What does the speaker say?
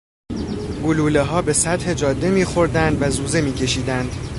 گلولهها به سطح جاده میخوردند و زوزه میکشیدند.